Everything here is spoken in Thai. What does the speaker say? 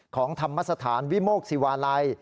ของธรรมสถานวิโมกศิวาลัย